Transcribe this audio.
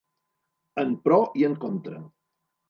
En pro i en contra.